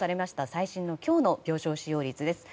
最新の今日の病床使用率です。